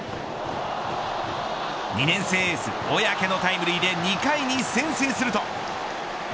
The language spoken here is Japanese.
２年生エース小宅のタイムリーで２回に先制すると。